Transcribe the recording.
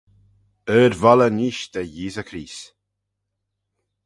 Ard voylley neesht da Yeesey Chreest.